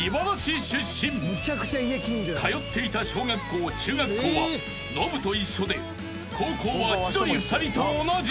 ［通っていた小学校中学校はノブと一緒で高校は千鳥２人と同じ］